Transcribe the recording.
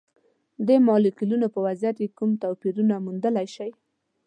د مالیکولونو په وضعیت کې کوم توپیرونه موندلی شئ؟